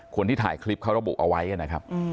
คนที่ถ่ายคลิปเขาระบุเอาไว้นะครับ